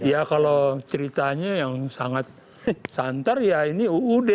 ya kalau ceritanya yang sangat santer ya ini uud